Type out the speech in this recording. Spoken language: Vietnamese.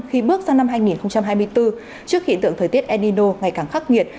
khi bước sang năm hai nghìn hai mươi bốn trước hiện tượng thời tiết el nino ngày càng khắc nghiệt